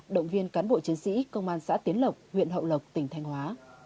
động viên cán bộ chiến sĩ công an xã tiến lộc huyện hậu lộc tỉnh thanh hóa